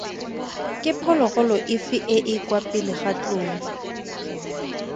Ke phologolo efe e e kwa pele ga tlou?